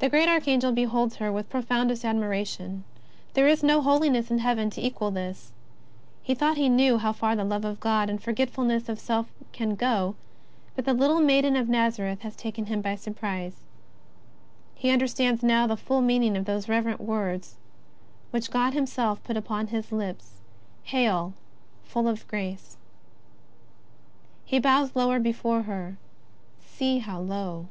The great Archangel beholds her with profoundest admiration. There is no holiness in heaven to equal this. He thought he knew how far the love of God and forgetfulness of self can go, but the little Maiden of i^azareth has taken him by surprise. He under stands now the full meaning of those reverent words which God Himself put upon his lips :^' Hail, full of grace !" He bows lower before her — see how low